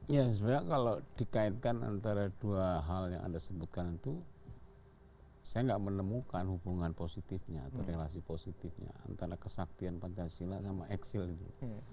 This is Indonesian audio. ya sebenarnya kalau dikaitkan antara dua hal yang anda sebutkan itu saya nggak menemukan hubungan positifnya atau relasi positifnya antara kesaktian pancasila sama eksil itu